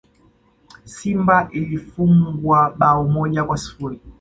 Simba ilifungwa bao moja kwa sifuri